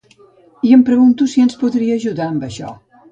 I em pregunto si ens podria ajudar amb això.